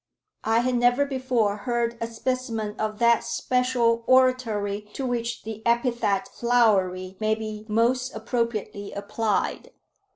I had never before heard a specimen of that special oratory to which the epithet flowery may be most appropriately applied.